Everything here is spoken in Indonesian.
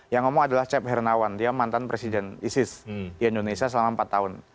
yang ngomong adalah cep hernawan dia mantan presiden isis di indonesia selama empat tahun